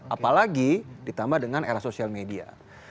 apalagi ditambah dengan era sosial media